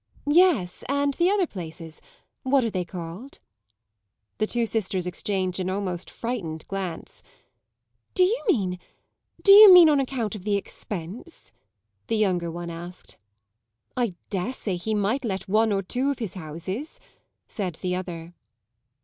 "Yes, and the other places; what are they called?" The two sisters exchanged an almost frightened glance. "Do you mean do you mean on account of the expense?" the younger one asked. "I dare say he might let one or two of his houses," said the other.